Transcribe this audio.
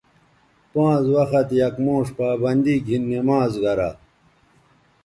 پانز وخت یک موݜ پابندی گھن نمازگرا